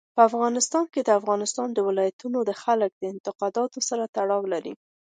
په افغانستان کې د افغانستان ولايتونه د خلکو د اعتقاداتو سره تړاو لري.